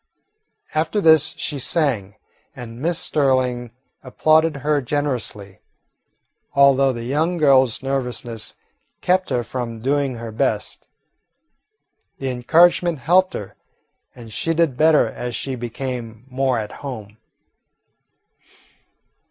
After this she sang, and Miss Sterling applauded her generously, although the young girl's nervousness kept her from doing her best. The encouragement helped her, and she did better as she became more at home.